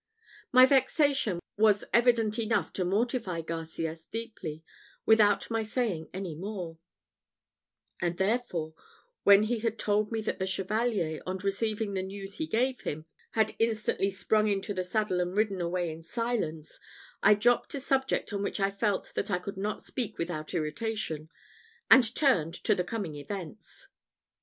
My vexation was evident enough to mortify Garcias deeply, without my saying any more; and therefore, when he had told me that the Chevalier, on receiving the news he gave him, had instantly sprung into the saddle and ridden away in silence, I dropt a subject on which I felt that I could not speak without irritation, and turned to the coming events.